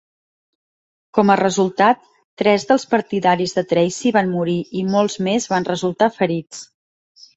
Com a resultat, tres dels partidaris de Tracey van morir i molts més van resultar ferits.